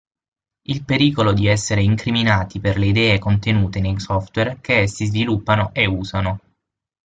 Il pericolo di essere incriminati per le idee contenute nei software che essi sviluppano e usano.